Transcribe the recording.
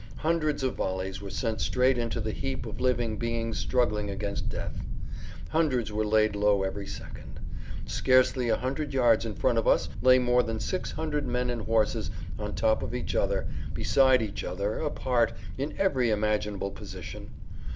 Hundreds of volleys were sent straight into the heap of living beings struggling against death. Hundreds were laid low every second. Scarcely a hundred yards in front of us lay more than six hundred men and horses, on top of each other, beside each other, apart, in every imaginable position.